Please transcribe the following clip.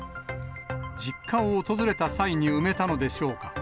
実家を訪れた際に埋めたのでしょうか。